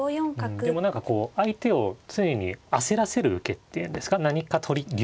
うんでも何かこう相手を常に焦らせる受けっていうんですか何か取り竜